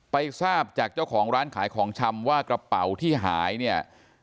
ไปทราบจากเจ้าของร้านขายของชำว่ากระเป๋าที่หายเนี่ย